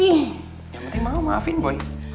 yang penting mama mau maafin boy